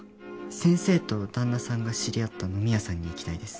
先生とだんなさんが知り合った飲み屋さんに行きたいです。